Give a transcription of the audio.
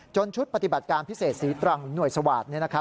จนชุดปฏิบัติการพิเศษสีตรังหน่วยสวาสตร์